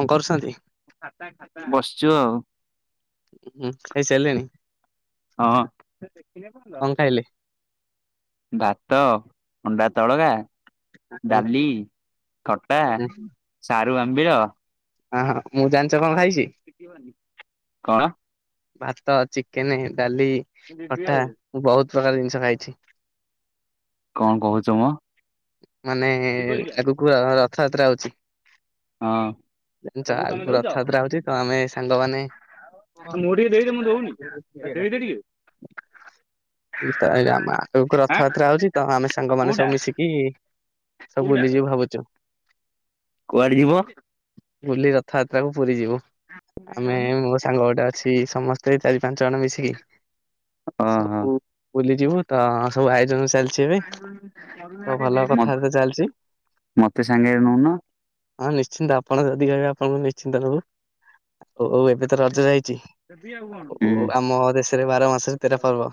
କଣ କରୁଛନ୍ତି? ବସିଚୁ ଆଉ। ହୁଁ, ଖାଇସାଲେଣି? ହଁ।। କଣ ଖାଇଲେ? ଭାତ, ଅଣ୍ଡା ତଡକା। ହୁଁ ଡାଲି, ଖଟା, ହୁଁ ସାରୁ ଆମ୍ବିଳ। ଆଁ, ହଁ ମୁଁ ଜାଣିଚ କଣ ଖାଇଚି? କଣ? ଭାତ, ଚିକେନେ, ଡାଲି, ଖଟା ମୁଁ ବହୁତ ପ୍ରକାର ଜିନିଷ ଖାଇଛି। କଣ କହୁଚ ମୋ। ମାନେ ଆଗକୁ ର-ରଥଯାତ୍ରା ଆଉଛି। ହଁ। ଜାଣିଚ ଆଗକୁ ରଥଯାତ୍ରା ଆଉଚି ତ ଆମେ ସାଙ୍ଗମାନେ [unintelligible] ମୁଁ ତ ଆ, ଆମ ଆଗକୁ ରଥଯାତ୍ରା ଆଉଛି ତ ଆମେ ସାଙ୍ଗ ମାନେ ସବୁ ମିଶିକି କି ସ ବୁୁଲିଯିବୁ ଭାବୁଛୁ। କୁଆଡେ ଯିବ? ବୁଲି ରଥଯାତ୍ରା କୁ ପୁରୀ ଯିବୁ। ଆମେ ମୋ ସାଙ୍ଗ ଗୋଟେ ଅଛି। ଚି, ସମସ୍ତେ ଚାରି ପାଞ୍ଚ ଜଣ ମିଶିକି ସବୁ ବୁଲିଯିବୁ। ତ ସବୁ ଆୟୋଜନ ଚାଲ ମୋ ଚାଲିଛି ମୋତେ ସାଙ୍ଗରେ ନଉନ। ହଁ ନିଶ୍ଚିନ୍ତ ଆପଣ ଯଦି କହିବେ ଆପଣଙ୍କୁ ନିଶ୍ଚିନ୍ତ ନବୁ। ଆ, ଅଉ ଅଉ ଏବେ ତ ରଜ ଯାଇଚି। ଉଁ ଆଉ ଆମ ଦେଶରେ ବାର ମାସରେ ତେର ପର୍ବ।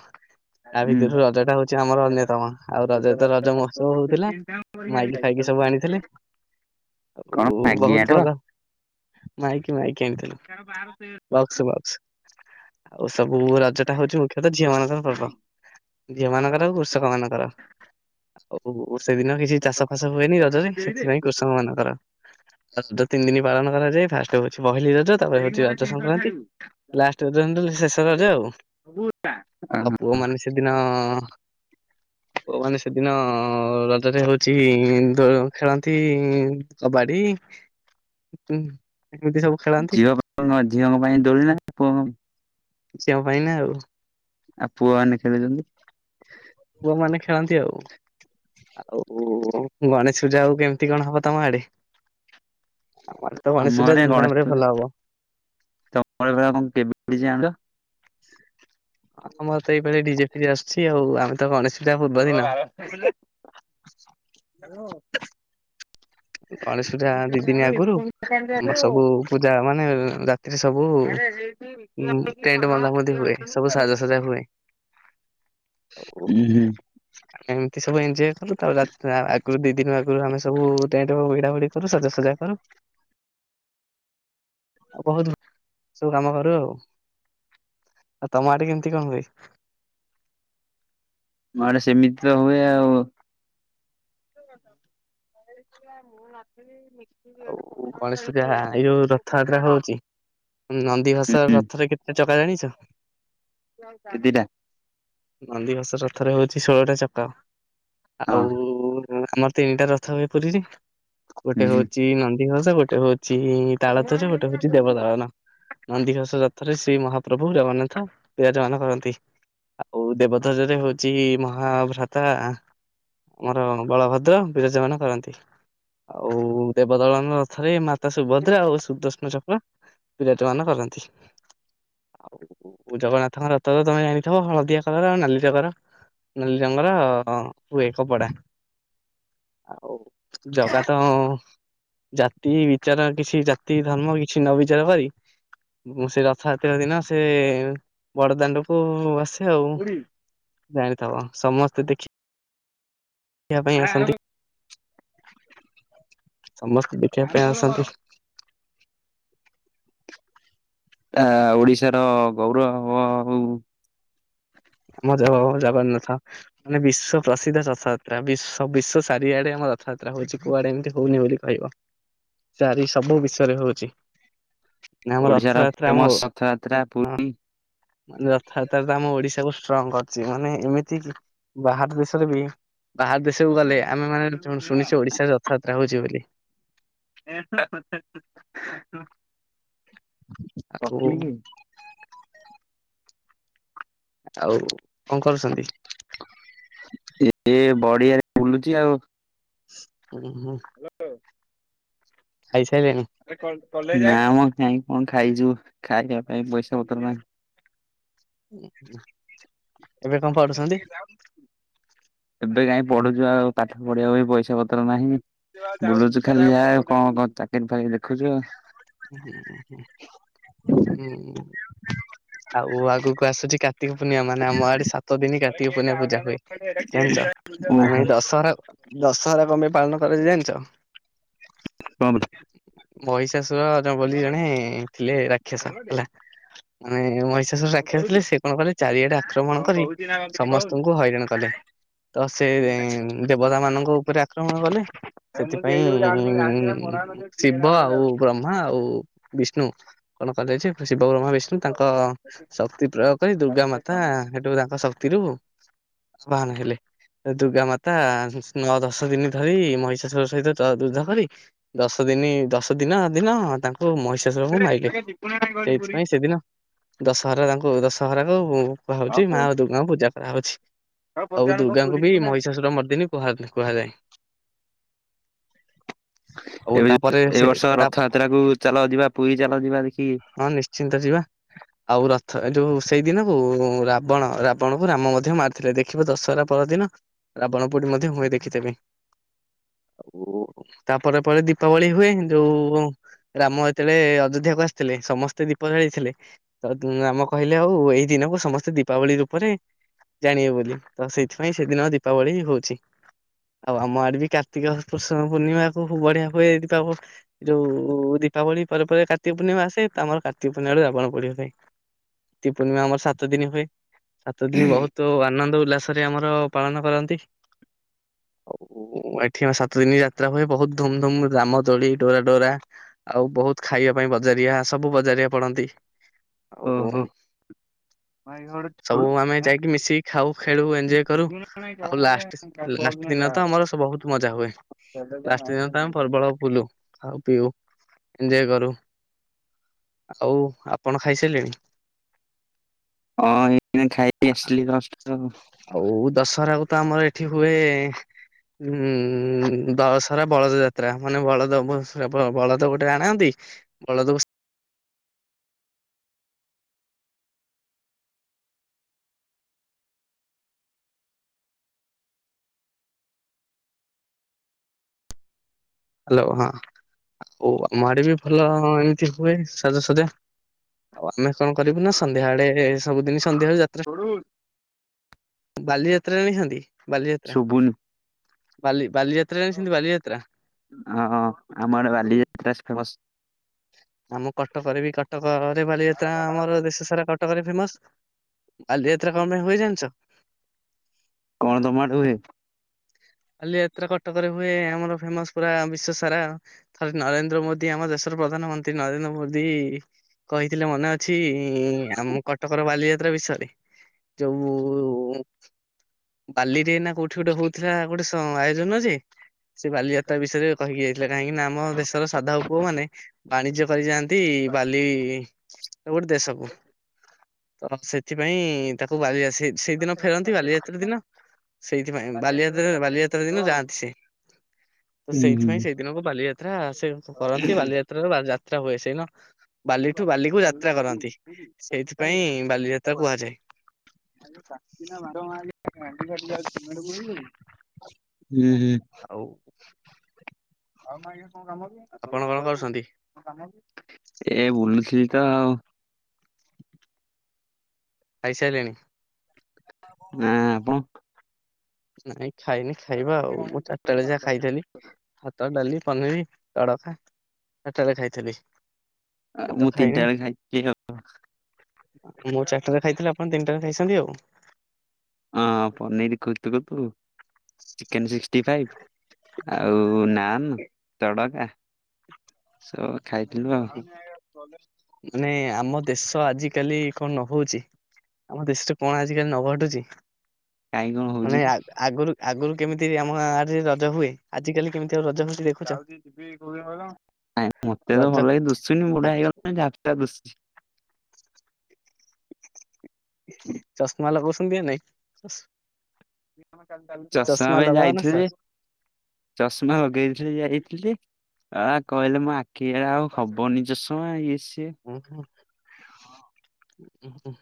ଆ ଉଁ ଭିତରୁ ରଜ ଟା ହଉଛି ଆମର ଅନ୍ୟତମ। ଆଉ ରଜ ରେ ତ ରଜ ମହୋତ୍ସ ତ ହଉଥିଲା, ମାଇକି ଫାଇକି ସବୁ ଆଣିଥିଲେ। କଣ ଆଉ ମ୍ୟାଗି ବହୁତ ଆଣିଥିଲ ଭଲ। ମାଇକି ମାଇକି ଆଣିଥିଲୁ। Box, box. ଆଉ ସବୁ ରଜ ଟା ହଉଛୁ ମୁଖ୍ୟତଃ ଝିଅ ମାନଙ୍କର ପର୍ବ। ଝିଅ ମାନଙ୍କର ଆଉ କୃଷକ ମାନଙ୍କର। ଓ ହୁ, ହୁ, ଓ ସେଦିନ କିଛି ଚାଷ ଫାସ ହୁଏନି ରଜରେ ସେଥିପାଇଁ କୃଷକ ମାନଙ୍କର। ରଜ ତିନି ଦିନ ପାଳନ କରାଯାଏ। ଫାଷ୍ଟ ହଉଛି ପହିଲି ରଜ। ତାପରେ ହଉଛି ରଜ ସଂକ୍ରାନ୍ତି। ଲାଷ୍ଟ ରଜ [unintelligible] ଶେଷ ରଜ ଆଉ ଆଉ। ଆଉ ପୁଅ ମାନେ ସେ ସେଦିନ ପୁଅ ମାନେ ସେ ଦିନ ରଜରେ ହେଉଛି ଦୋଳ ଖେଳନ୍ ତି କବାଡି [unintelligible] ଏମିତି ସବୁ। ଖେଳନ୍ତି ଝିଅ [inaudible] ଝିଅଙ୍କ ପାଇଁ ଦୋଳିି ନା ପୁଅଙ୍କ ପାଇଁ? ଝିଅ ପାଇଁ ନା ଆଉ। ଆଉ ପୁଅମାନେ ଖେଳୁଚନ୍ତି? ପୁଅମାନେ ଖେଳନ୍ତି ଆଉ। ଆଉ ଗଣେଶ ପୂଜା ଆଉ କେମିତି କଣ ହବ ତୋମ ଆଡେ? ଆମର ତ ଆମ ଗଣେଶ ଉଜା ଧୁମଧାମ୍ ରେ ଭଲ ହବ। ତୋମର ପରା କଣ [inaudible] ଆମର ତ ଏଇଭଳି ଡିଜେ ଫିଜେ ଆସୁଛି ଆଉ। ଆମେ ତ ଗଣେଶ ପୂଜା ପୂର୍ବ ଦିନ [unintelligible] ଗଣେଶ ପୂଜା ଦି ଦିନି ଆଗରୁ ଆମର ସବୁ ପୂଜା ମାନେ ରାତିରେ ସବୁ ଉଁ, ଟେଣ୍ଟ ବନ୍ଧା ବନ୍ଧି ହୁଏ। ସବୁ ସାଜସଜ୍ଜା ହୁଏ। ଉଁ, ହୁଁ। ଆମେ ଏମିତି ସବୁ ଏନଞ୍ଜୟ କରୁ। ତାପରେ ରାତ୍ ଆ, ଆଗରୁ ଦି ଦିନ ଆଗରୁ ଆମେ ସବୁ ଟେଣ୍ଟ ଭିଡା ଭିଡି କରୁ, ସଜା ସଜା କରୁ। ଆଉ ବହୁତ ସବୁ କାମ କରୁ ଆଉ। ଆଉ ତମ ଆଡେ କେମିତି କଣ ହୁଏ? ଆମ ଆଡେ ସେମିତି ତ ହୁଏ ଆଉ। [unintelligible] [unintelligible] ମୁଁ ନଥିଲି ମି ଆଉ ଗଣେଶ ପୂଜା ଏଇ ଯୋଉ ରଥଯାତ୍ରା ହଉଚି। ନନ୍ଦୀ ଘୋଷ ହୁଁ ରଥରେ କେତେ ଚକା ଜାଣିଛ? କେତେ ଟା? ନନ୍ଦୀଘୋଷ ରଥରେ ହଉଛି ଷୋଳଟା ଚକା ଆଉ। ହଁ ଉଁ ଆମର ତିନିଟା ରଥ ହୁଏ ପୁରୀରେ ଗୋଟେ ହୁଁ ହଉଛି ନନ୍ଦିଘୋଷ ଗୋଟେ ହ ଚି ତାଳଧ୍ୱଜ ଗୋଟେ ହଉଛି ଦେବଦଳନ। ନନ୍ଦୀ ଘୋଷ ରଥରେ ଶ୍ରୀ ମହାପ୍ରଭୁ ଜଗନ୍ନାଥ ବିିରାଜମାନ କରନ୍ତି। ଆଉ ଦେବଧ୍ୱଜ ରେ ହଉଛି ମହାଭ୍ରାତା। ଆମର ବଳଭଦ୍ର ବିରାଜ ମାନ କରନ୍ତି। ଆଉ ଦେବଦଳନ ରଥରେ ମାତା ସୁଭଦ୍ରା ଆଉ ସୁଦର୍ଶନ ଚକ୍ର। ବିରାଜମାନ କରନ୍ତି ଆଉ ଜଗନ୍ନାଥଙ୍କ ରଥ ତ ତମେ ଜାଣିଥିବ ହଳ ଦିଆ କଲର ଆଉ ନାଲି ରଙ୍ଗର ନାଲି ରଙ୍ଗର ହୁଏ କପଡା। ଆଉ ଜଗା ତ ଜାତି ବିଚାର କିଛି ଜାତି ଧର୍ମ କି କିଛି ନ ବିଚାର କରି ମୁଁ ସେ ରଥଯାତ୍ରା ଦିନ। ସେ ବଡଦାଣ୍ଡକୁ ଆସେ ଆଉ। ଜାଣିଥବ ସମସ୍ତେ ଦେଖି ଆରେ ଆଣୁନୁ। ସମସ୍ତେ ଦେଖିବା ପାଇଁ ଆସନ୍ତି। ତା ଓଡିଶାର ଗୌରବ ଆଉ। ଆମ ଜ ଜଗନ୍ନାଥ। ମାନେ ବିଶ୍ୱ ପ୍ରସିଦ୍ଧ ରଥଯାତ୍ରା ବିଶ୍ୱ ବିଶ୍ୱ ଚାରିଆଡେ ଆମ ରଥଯାତ୍ରା ହଉଛି କୁଆଡେ ଏମିତି ହଉନି ବୋଲି ରହିବ ଚାରି ସବୁ ବିଶ୍ୱରେ ହଉଛି। ନା ଆମ ଓଡିଶାର ରଥଯାତ୍ରା ଆମ ଫେମସ ରଥଯାତ୍ରା ପୁରୀ ହଁ ରଥଯାତ୍ରା ତ ଆମ ଓଡିଶାକୁ ଷ୍ଟ୍ରଙ୍ଗ କରିଛି ମାନେ ଏମିତି କି ବାହାର ଦେଶରେ ବି। ବାହାର ଦେଶକୁ ଗଲେ ଆମେ ମାନେ [unintelligible] ଶୁଣିଛୁ ଓଡିଶାରେ ରଥଯାତ୍ରା ହଉଛି ବୋଲି। ହେଁ ହେଁ ହେଁ ହେଁ ହେଁ ହେଁ। ଆ ଓ। ଆଉ କଣ କରୁଛନ୍ତି? ଏ ପଡିଆରେ ବୁଲୁଛି ଆଉ। ହୁଁ ହୁଁ। ଆ ଓ। ଖାଇ ସାରିଲେଣି? ନା ମ କଣ କଣ ଖାଇଛୁ ଖାଇବା ପାଇଁ ପଇସା ପତ୍ର ନାହିଁ। ଉଁ ଉଁ ଏବେ କଣ ପଢ଼ୁଛନ୍ତି? ଏବେ କାହିଁ ପଢୁଛୁ ଆଉ ପାଠ ପଢିବା ପାଇଁ ପଇସା ପତ୍ର ନାହିଁ। ବୁଲୁଚୁ ଖାଲି ଯାହା ଆଉ କଣ କଣ ଚାକିରି ଫାକିରି ଦେଖୁଛୁ ଆଉ। ହୁଁ ହୁଁ ହୁଁ ଆଉ ଆଗକୁ ଆସୁଛି କା କାତ୍ତିକ ପୁର୍ଣିମା ମାନେ ଆମ ଆଡେ ସାତ ଦିନ କାର୍ତ୍ତିକ ପୁର୍ଣିମା ପୂଜା ହୁଏ। ଜାଣିଚ ମାନେ ଓହୋ। ଦଶହରା। ଦଶହରା କଣ ପାଇଁ ପାଳନ କରାଯାଏ ଜାଣିଛ? ଉଁ କଣ ମହିଶା ଅ ଜ ବୋଲି ଜଣେ ବୋଲି ଜଣେ ଥିଲେ ରାକ୍ଷସ ହେଲା ମାନେ ମହିଷ [unintelligible] ରାକ୍ଷାସ ଥିଲେ ସେ କଣ କଲେ ଚାରିଆଡେ ଆକ୍ରମଣ କରି ସମସ୍ତଙ୍କୁ ହଇରାଣ କଲେ। ତ ସେ ଦେବତା ମାନଙ୍କ ଉପରେ ଆକ୍ରମଣ କଲେ। ସେଥିପାଇଁ ଉଁ ଶିବ ଆଉ ବ ବ୍ରହ୍ମା ଆଉ ବିଷ୍ଣୁ କଣ କଲେ ଯେ। ଶିବ, ବ୍ରହ୍ମା, ବିଷ୍ଣୁ ତାଙ୍କ ଶକ୍ତି ପ୍ରୟୋଗ କରି ଦୁର୍ଗା ମାତା ହେଠୁ ତାଙ୍କ ଶକ୍ତିରୁ ବାହାନ ହେଲେ। ଦୁର୍ଗା ମାତା ନଅ ଦଶ ଦିନି ଧରି ମହିଷାସୁର ସହିତ ଚ ଯୁଦ୍ଧ କରି ଦଶ ଦିନି ଦଶ ଦିନ ଦିନ ତାଙ୍କୁ ମଇଷ ଷାସୁରକୁ ମାଇଲେ ସେଇଥିପାଇଁ ସେଦିନ ଦଶହରାରେ ତାଙ୍କୁ ଦଶହରାକୁ କୁହା ହୋଉଚି ମା ଦୁର୍ଗାଙ୍କୁ ପୂଜା କରାହୋଉଚି। ଆଉ ଦୁର୍ଗାଙ୍କୁ ବି ମହିଷାସୁରା ମର୍ଦିନି କୁହା କୁହାଯାଏ ଆଉ ତାପରେ ସେ ତା ରଥଯାତ୍ରାକୁ ଚାଲ ଯିବା ପୁରୀ ଚାଲ ଯିବା ଦେଖିକି ହଁ ନିଶ୍ଚିନ୍ତ ଯିବା। ଆଉ ରଥ ଏ ଯୋଉ ସେଇଦିନକୁ ରାବଣ ରାବଣକୁ ରାମ ମଧ୍ୟ ମାରିଥିଲେ ଦେଖ୍ ଦେଖିବ ଦଶହରା ପରଦିନ ରାବଣ ପୋଡି ମଧ୍ୟ ହୁଏ ଦେଖିଥିଲି। ଆଉ ତାପରେ ପରେ ଦୀପାବଳି ହୁଏ ହେ ଯୋଉ ରାମ ଯେତେବେଳେ ଅଯୋଧ୍ୟାକୁ ଆସିଥିଲେ ସମସ୍ତେ ଦୀପ ଜାଳିଥିଲେ। ତଦ୍ ଉମ୍ ରାମ କହିଲେ ଆଉ ଏଇ ଦିନକୁ ସମସ୍ତେ ଦୀପାବଳି ରୂପରେ ଜାଣିବେ ବୋଲି ତ ସେଇଥିପାଇଁ ସେଦିନ ଦୀପାବଳି ହୋଉଛି। ଆଉ ଆମ ଆଡେ ବି କାର୍ତ୍ତିକ ପୁଷୁଣ ପୂର୍ଣ୍ଣିମାକୁ ବଢିଆ ହୁଏ ଦିପାବ ଯୋଉ ଦୀପାବଳି ପରେ ପରେ କାର୍ତ୍ତି ପୂର୍ଣିମା ଆସେ ତ ଆମର କାର୍ତିକ ପୂର୍ଣ୍ଣିମାଠୁ ରାବଣ ପୋଡ଼ି ହୁଏ। ରତି ପର୍ଣ୍ଣିମା ଆମର ସାତ ଦିନି ହଏ। ସାତ ଦିନି ବୋହୁତୁ ଆନନ୍ଦ ଉଲ୍ଲାସରେ ଆମର ପାଳନ କରନ୍ତି। ଆଉ ଏଠି ଆମ ସାତ ଦିନି ଯାତ୍ରା ହୁଏ ବୋହୁତ ଧୁମ ଧୁମ ରାମ ଦୋଳି। ଡୋରା ଡୋରା ଆଉ ବୋହୁତ ଖାଇବା ପାଇଁ ବଜାରିଆ ସବୁ ବଜାରିଆ ପଡନ୍ତି। ଆଉ ମାଇଁ କଣ ଗୋଟେ ସବୁ ଆମେ ଯାଇକି ମିଶିକି ଖାଉ ଖେଳୁ ଏଞ୍ଜୟ କରୁ ଆଉ ଲାଷ୍ଟେ ଲାଷ୍ଟ ଦିନ ତ ଆମର ସେ ବୋହୁତ ମଜା ହୁଏ ଲାଷ୍ଟ ଦିନ ତ ଆମେ ପ୍ରବଳ ବୁଲୁ। ଖାଉ ପିଉ ଏଞ୍ଜୟ କରୁ। ଆଉ ଆପଣ ଖାଇସାରିଲେଣି? ହଁ ଏଇନା ଖାଇକି ଆସିଲି ଜଷ୍ଟ। ଆଉ ଦଶହରାକୁ ତ ଆମର ଏଠି ହୁଏ ହୁଁ ଦଶରା ବଳଦ ଯାତ୍ରା ମାନେ ବଳଦ ଅବସ୍ ପ୍ରବଳ ବଳଦ ଗୋଟେ ଆଣାନ୍ତି ବଳଦକୁ ହାଲୋ ହଁ ଆଉ ଆମ ଆଡେ ବି ଭଲ ଏମିତି ହୁଏ ସାଜସଜା। ଆଉ ଆମେ କଣ କରିବୁ ନା ସନ୍ଧ୍ୟାବେଳେ ସବୁଦିନି ସନ୍ଧ୍ୟାବେଳେ ଯାତ୍ରା [inaudible] ବାଲିଯାତ୍ରାରେ ଦେଖିଛନ୍ତି ବାଲିଯାତ୍ରା ଶୁଭୁନି ବାଲି ବାଲିଯାତ୍ରାରେ ସେମତି ବାଲିଯାତ୍ରା। ହଁ ଆମ ଆଡେ ବାଲିଯାତ୍ରା ସ୍ ଫେମସ। ଆମ କଟକରେ ବି କଟକରେ ବାଲିଯାତ୍ରା ଆମର ଦେଶ ସାରା କଟକରେ ଫେମସ। ବାଲିଯାତ୍ରା କଣ ପାଇଁ ହୁଏ ଜାଣିଚ? କଣ ତମ ଆଡେ ହୁଏ? ବାଲିଯାତ୍ରା କଟକରେ ହୁଏ ଆମର ଫେମସ ପୁରା ବିଶ୍ୱସାରା। ଥରେ ନରେନ୍ଦ୍ର ମୋଦି ଆମ ଦେଶର ପ୍ରଧାନମନ୍ତ୍ରୀ ନରେନ୍ଦ୍ର ମୋଦି କହିଥିଲେ ମନେ ଅଛି ଆମ କଟକର ବାଲିଯାତ୍ରା ବିଷୟରେ। ଯୋଉ ବାଲିରେ ନା କୋଉଠି ଗୋଟେ ହୋଉଥିଲା ତ ଆୟୋଜନ ଯେ ସେ ବାଲିଯାତ୍ରା ବିଷୟରେ କହିକି ଯାଇଥିଲେ କାହିଁକିନା ଆମ ଦେଶର ସାଧବ ପୁଅମାନେ ବାଣିଜ୍ୟ କରି ଯାଆନ୍ତି ବାଲିର ଗୋଟେ ଦେଶକୁ। ତ ସେଥିପାଇଁ ତାକୁ ବାଲିଆସି ସେଇଦିନ ଫେରନ୍ତି ବାଲିଯାତ୍ରା ଦିନ ସେଇଥିପାଇଁ ବାଲିଯାତ୍ରା ବାଲିଯାତ୍ରା ଦିନ ଯାଆନ୍ତି ସେ। ତ ହୁଁ ହୁଁ ସେଇଥିପାଇଁ ସେଇଦିନକୁ ବାଲିଯାତ୍ରା ସେ କ କରନ୍ତି ବାଲିଯା ଯାତ୍ରାରୁ ବାଲଯାତ୍ରା ହୁଏ ସେଦିନ ବାଲିଠୁ ବାଲିକୁ ଯାତ୍ରା କରନ୍ତି ସେଇଥିପାଇଁ ବାଲିଯାତ୍ରା କୁହାଯାଏ। [unintelligible] ହୁଁ ହୁଁ। ଆଉ ଆପଣ କଣ କରୁଛନ୍ତି [unintelligible] ଏ ବୁଲୁଥିଲି ତ ଆଉ ଖାଇସାରିଲେଣି? ହଁ ଆପଣ? ନାଇଁ ଖାଇନି ଖାଇବା ଆଉ ମୁଁ ଚାରଟା ବେଳେ ଯାହା ଖାଇଥିଲି। ଭାତ ଡାଲି ପନିର ତଡକା ସେଠାରେ ଖାଇଥିଲି। ତ ମୁଁ ଖାଇନି ତିନିଟା ବେଳେ ଖାଇଥିଲି ଆଉ ମୁଁ ଚାରଟାରେ ଖାଇଥିଲି ଆପଣ ତିନିଟାରେ ଖାଇଛନ୍ତି ଆଉ ହଁ ପନୀର କୁତୁକୁତୁ, ଚିକେନ୍ ସି କ୍ଟୀଫାଇଭ ଆଉ ନାନ୍ ତଡକା। ସ ଖାଇଥିଲୁ ଆଉ। ମାନେ ଆମ ଦେଶ ଆଜିକାଲି କଣ ନ ହଉଛି? ଆମ ଦେଶରେ କଣ ଆଜିିକାଲି ନଘଟୁଛି। କାଇଁ କଣ ହଉଛି ମାନେ କି ଆଗ ଆଗ ଆଗରୁ ଆଗରୁ କେମିତି ଆମ ଆଡରେ ରଜ ହୁଏ। ଆଜିିକାଲି କେମିତି ଆଉ ରଜ ହେଉଛି। ଯାଉଛି ଯିବି କୁଣିଆ ଘର ମତେ ତ ରଜ ଭଲ ହେଇକି ଦୁଶୁନି ଆ ବୁଢା ହେଇଗଲାଣି ଦୁଶୁଛି ଚଶମା ଲଗାଉଛନ୍ତି କି ନାହିଁ। ଚଷମା ପାଇଁ ଲଗାଅ ନା ଯାଇଥିଲି ସାର୍? ଯେ। ଚଷମା ଲଗେଇଥିଲେ ଯାଇଥିଲି। ଆ କହିଲେ ମୋ ଆଖିଡା ଆଉ ହବନି ଚଷମା ଇଏ ସିଏ। ଉଁ ହୁଁ, ଉଁ ହୁଁ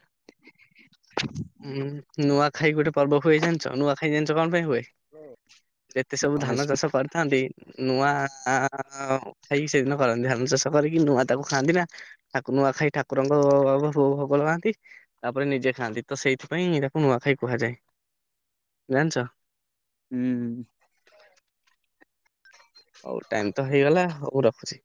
ହୁଁ ନୂଆଖାଇ ଗୋଟେ ପର୍ବ ହୁଏଇ ଜାଣିଛ। ନୂଆ ଖାଇ ଜାଣିଛ କଣ ପାଇଁ ହୁଏ? [inaudible] ଯେତେ ସବୁ ଗଣେଶ ଧାନ ପୂ- ଚାଷ କରିଥାନ୍ତି। ନୂଆ [unintelligible] ସେଦିନ କରନ୍ତି। ଧାନ ଚାଷ କରିକି ନୂଆ ତାକୁ ଖାଆନ୍ତି ନା। ଠାକୁର ନୂଆ ଖାଇ ଠାକୁରଙ୍କ ଭୋଗ ଲଗାନ୍ତି ତାପରେ ନିଜେ ଖାଆନ୍ତି। ତ ସେଇଥିପାଇଁ ଏଇଟାକୁ ନୂଆଖାଇ କୁହାଯାଏ ଜାଣିଛ? ହୁଁ ହଉ ଟାଇମ ତ ହେଇଗଲ। ହଉ ମୁଁ ରଖୁଛି।